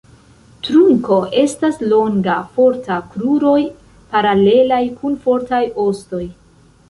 Trunko estas longa, forta; kruroj paralelaj kun fortaj ostoj.